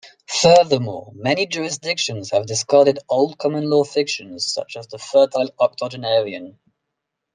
Furthermore, many jurisdictions have discarded old common-law fictions such as the fertile octogenarian.